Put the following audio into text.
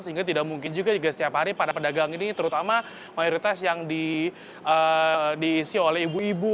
sehingga tidak mungkin juga setiap hari para pedagang ini terutama mayoritas yang diisi oleh ibu ibu